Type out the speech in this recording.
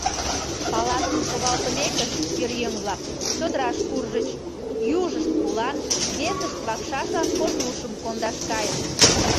Палаткым шогалтымекышт, пӧръеҥ-влак чодыраш куржыч: южышт пулан, весышт — вакшашлан кож лушым кондаш кайышт.